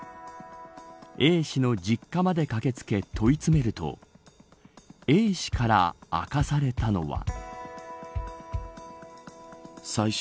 Ａ氏の実家まで駆けつけ問い詰めるとＡ氏から明かされたのは。